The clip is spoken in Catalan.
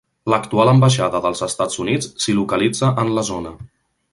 L'actual ambaixada dels Estats Units s'hi localitza en la zona.